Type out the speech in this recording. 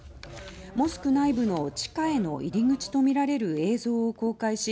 モスク内部の地下への入り口とみられる映像を公開し